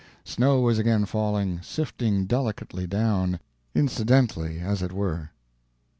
Snow was again falling, sifting delicately down, incidentally as it were.